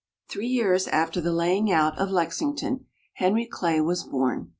Three years after the laying out of Lexington, Henry Clay was born.